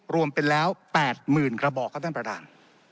รวมเป็นแล้ว๘๐๐๐กระบอกครับท่านประธาน